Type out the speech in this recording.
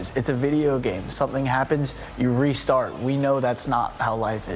justru tidak sependapat dengan trump